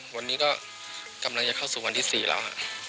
วันนี้ก็กำลังจะเข้าสู่วันที่๔แล้ว